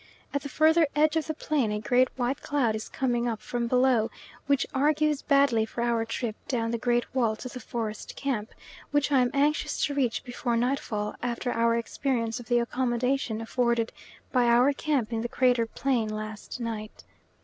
At the further edge of the plain a great white cloud is coming up from below, which argues badly for our trip down the great wall to the forest camp, which I am anxious to reach before nightfall after our experience of the accommodation afforded by our camp in the crater plain last night.